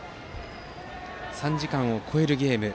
３時間を超えるゲーム。